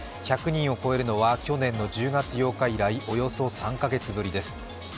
１００人を超えるのは去年の１０月８日以来およそ３カ月ぶりです。